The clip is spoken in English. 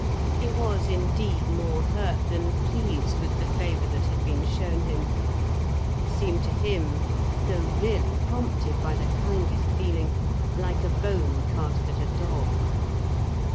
He was, indeed, more hurt than pleased with the favour that had been shown him; it seemed to him (though really prompted by the kindest feeling) like a bone cast at a dog.